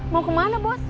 mau kemana bos